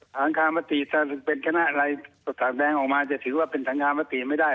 ทางคามติถ้าเป็นชนะอะไรแดงออกมาจะถือว่าเป็นสัญญามติไม่ได้